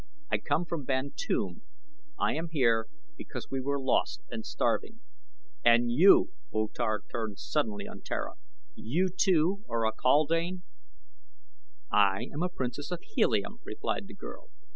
I come from Bantoom. I am here because we were lost and starving." "And you!" O Tar turned suddenly on Tara. "You, too, are a kaldane?" "I am a princess of Helium," replied the girl.